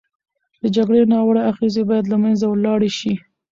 د جګړې ناوړه اغېزې باید له منځه لاړې شي.